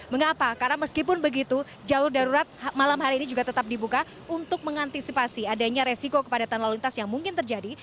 mengapa karena meskipun begitu jalur darurat malam hari ini juga tetap dibuka untuk mengantisipasi adanya resiko kepadatan lalu lintas yang mungkin terjadi